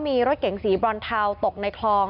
มีรถเก๋งสีบรอนเทาตกในคลอง